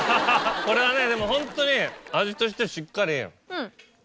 これはねでもホントに味としてはしっかり。